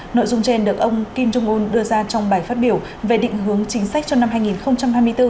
nội dung trên được ông kim jong un đưa ra trong bài phát biểu về định hướng chính sách cho năm hai nghìn hai mươi bốn